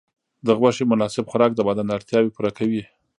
د غوښې مناسب خوراک د بدن اړتیاوې پوره کوي.